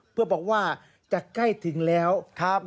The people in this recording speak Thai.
เพื่อบอกว่าจะใกล้ถึงแล้วครับ